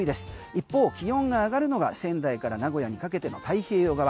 一方気温が上がるのが仙台から名古屋にかけての太平洋側。